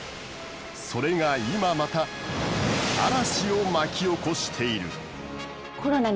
それが今また嵐を巻き起こしている。